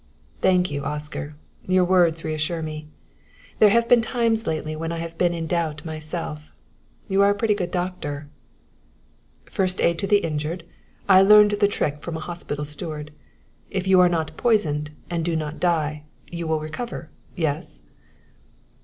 "Thank you, Oscar. Your words reassure me. There have been times lately when I have been in doubt myself. You are a pretty good doctor." "First aid to the injured; I learned the trick from a hospital steward. If you are not poisoned, and do not die, you will recover yes?"